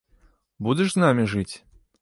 Будзеш з намі жыць?